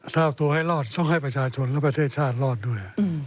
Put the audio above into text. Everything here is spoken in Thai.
ถ้าเอาตัวให้รอดต้องให้ประชาชนและประเทศชาติรอดด้วย